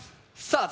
さあ